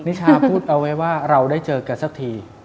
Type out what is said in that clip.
นิชาพูดเอาไว้ว่าเราได้เจอกันสักที